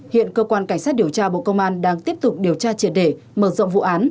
hiện cơ quan cảnh sát điều tra bộ công an đang tiếp tục điều tra triệt đề mở rộng vụ án